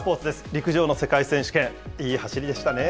陸上の世界選手権、いい走りでしたね。